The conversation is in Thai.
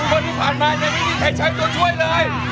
คนที่ผ่านมายังไม่มีใครใช้ตัวช่วยเลย